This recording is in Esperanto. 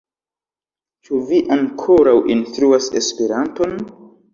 Ĉu vi ankoraŭ instruas Esperanton?